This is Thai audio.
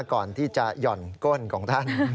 ก่อนที่จะหย่อนก้นของท่าน